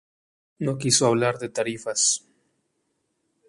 No quiso hablar de tarifas.